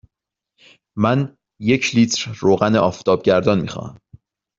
من یک لیتر روغن آفتابگردان می خواهم.